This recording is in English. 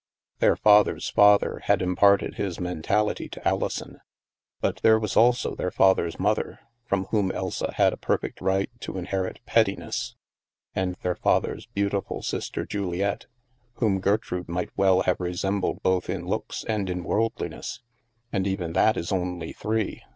Their father's father had imparted his men tality to Alison; but there was also their father's mother, from whom Elsa had a perfect right to in herit pettiness; and their father's beautiful sister, Juliette, whom Gertrude might well have resembled both in looks and in worldliness — and even that is only three!